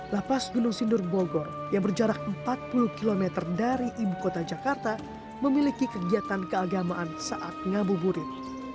lapas gunung sindur bogor yang berjarak empat puluh km dari ibu kota jakarta memiliki kegiatan keagamaan saat ngabuburit